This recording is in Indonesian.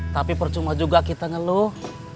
tapi percuma juga kita ngeluh